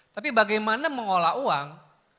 tapi bagaimana mengolah uang